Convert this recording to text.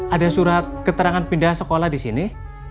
ada surat keterangan pindah sekolah di sini